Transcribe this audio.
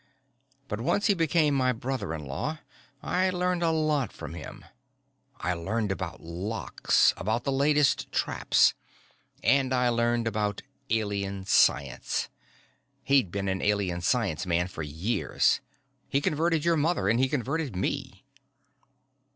But once he became my brother in law, I learned a lot from him. I learned about locks, about the latest traps and I learned about Alien Science. He'd been an Alien Science man for years. He converted your mother, and he converted me."